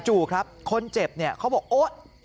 ครับคนเจ็บเนี่ยเขาบอกโอ๊ต